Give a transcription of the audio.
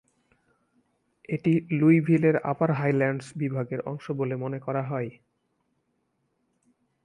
এটি লুইভিলের Upper Highlands বিভাগের অংশ বলে মনে করা হয়।